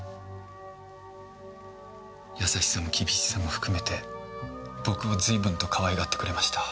優しさも厳しさも含めて僕を随分とかわいがってくれました。